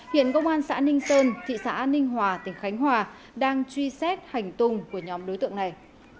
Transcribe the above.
hiện công an xã ninh sơn thị xã ninh hòa tỉnh khánh hòa đang truy xét hành tùng của nhóm đối tượng này